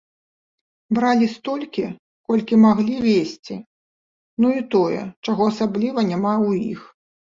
Бралі столькі, колькі маглі везці, ну і тое, чаго асабліва няма ў іх.